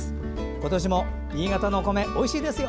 今年も新潟のお米おいしいですよ！